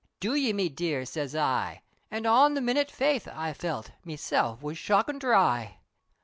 "Do ye me dear?" siz I, An' on the minute faith I felt, Meself was shockin' dhry.